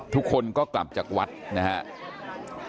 ทุกคนก็กลับจากวัดนะครับ